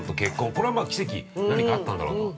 これは、まあ奇跡何かあったんだろうと。